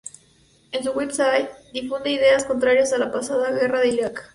En su website difunde ideas contrarias a la pasada guerra en Irak.